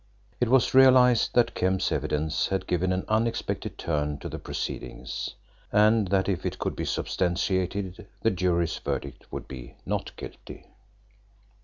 It was realised that Kemp's evidence had given an unexpected turn to the proceedings, and that if it could be substantiated the jury's verdict would be "not guilty."